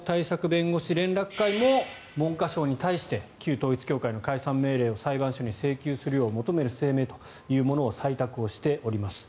弁護士連絡会も文科省に対して旧統一教会の解散命令を裁判所に請求するよう求める声明というものを採択しております。